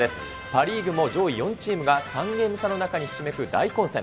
パ・リーグも上位４チームが３ゲーム差にひしめく大混戦。